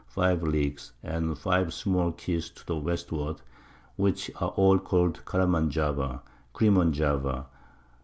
5 Leagues, and 5 small Keys to the Westward, which are all call'd Caraman Java [Crimon Java].